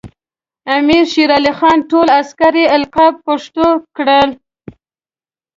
امیر شیر علی خان ټول عسکري القاب پښتو کړل.